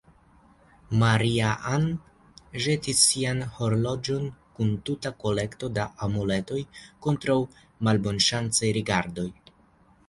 Maria-Ann ĵetis sian horloĝon, kun tuta kolekto da amuletoj kontraŭ malbonŝancaj rigardoj.